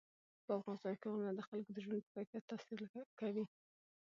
په افغانستان کې غرونه د خلکو د ژوند په کیفیت تاثیر کوي.